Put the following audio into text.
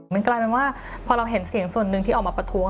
มันกลายเป็นว่าพอเราเห็นเสียงส่วนหนึ่งที่ออกมาประท้วง